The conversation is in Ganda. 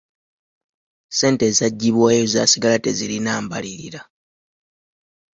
Ssente ezagibwayo zasigala tezirina mbalirira.